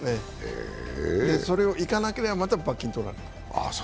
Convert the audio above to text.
それを行かなければまた罰金取られる。